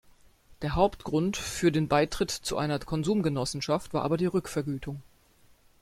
Der Hauptgrund für den Beitritt zu einer Konsumgenossenschaft war aber die Rückvergütung.